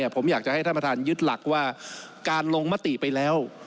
ผมอยากจะให้ท่านประธานยึดหลักว่าการลงมติไปแล้ว